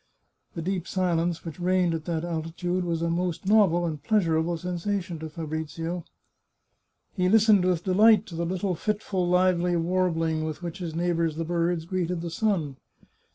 The deep silence which reigned at that altitude was a most novel and pleasurable sensation to Fabrizio. He listened with delight to the little fitful, lively warbling with which his neighbours the birds greeted the sun.